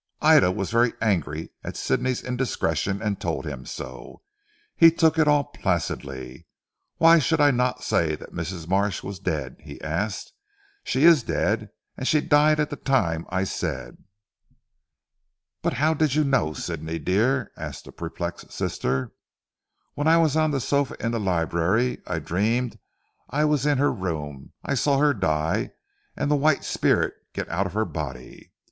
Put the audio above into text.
Ida was very angry at Sidney's indiscretion and told him so. He took it all placidly. "Why should I not say that Mrs. Marsh was dead?" he asked. "She is dead; and she died at the time I said." "But how did you know, Sidney dear?" asked the perplexed sister. "When I was on the sofa in the library I dreamed that I was in her room, I saw her die, and the white spirit get out of her body.